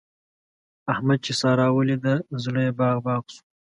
احمد چې سارا وليده؛ زړه يې باغ باغ شو.